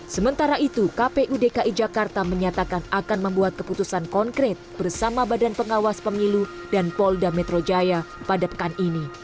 sementara itu kpu dki jakarta menyatakan akan membuat keputusan konkret bersama badan pengawas pemilu dan polda metro jaya pada pekan ini